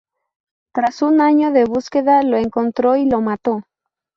Tras un año de búsqueda, lo encontró y lo mató.